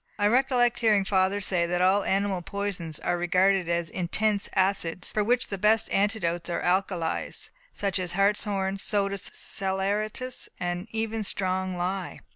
I recollect hearing father say that all animal poisons are regarded as intense acids, for which the best antidotes are alkalies, such as hartshorn, soda saleratus, and even strong lye."